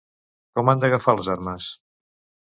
Com han d'agafar les armes?